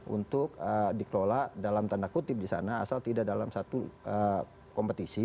untuk dikelola dalam tanda kutip di sana asal tidak dalam satu kompetisi